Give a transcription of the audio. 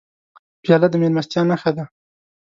پیاله د میلمستیا نښه ده.